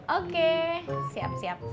oke siap siap